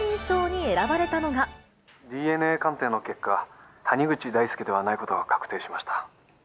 ＤＮＡ鑑定の結果、谷口大祐ではないことが確定しました。